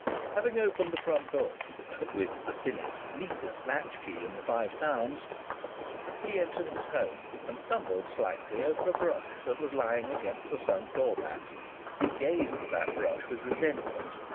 Having opened the front door (with the thinnest, neatest latch key in the Five Towns), he entered his home and stumbled slightly over a brush that was lying against the sunk door mat. He gazed at that brush with resentment.